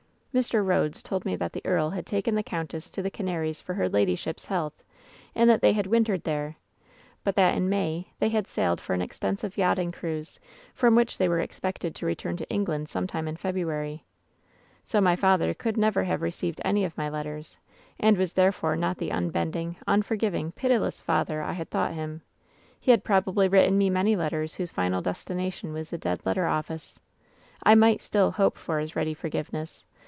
Messrs. Rhodes told me that the earl had taken the countess to the Cana ries for her ladyship's health, and that they had win tered there, but that in May they had sailed for an ex tensive yachting cruise, from which they were expected to return to England some time in February. "So my father could never have received any of my letters, and was therefore not the unbending, unforgiv ing, pitiless father I had thought him. He had probably written me many letters whose final destination was the dead letter office. I might still hope for his ready for giveness.